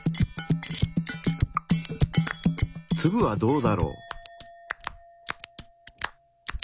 ツブはどうだろう？